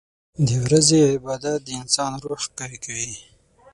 • د ورځې عبادت د انسان روح قوي کوي.